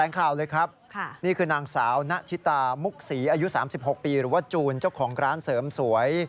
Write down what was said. ข่าวเลยครับนี่คือนางสาวณชิตามุกศรีอายุ๓๖ปีหรือว่าจูนเจ้าของร้านเสริมสวย